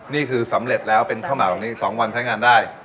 นี่คือสำเร็จแล้วเป็นข้าวหมากแบบนี้๒วันใช้งานได้